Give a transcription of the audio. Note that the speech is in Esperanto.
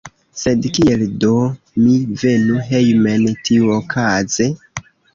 Sed kiel do mi venu hejmen tiuokaze?